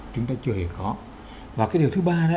chúng ta chưa hề có và cái điều thứ ba đó